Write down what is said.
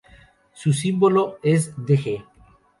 Su símbolo es dg.